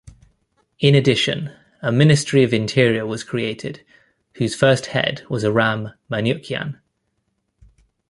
In addition, a ministry of interior was created, whose first head was Aram Manukyan.